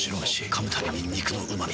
噛むたびに肉のうま味。